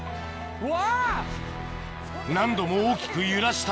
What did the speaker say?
うわ。